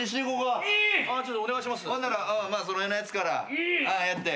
ほんならその辺のやつからやって。